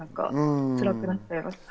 つらくなっちゃいます。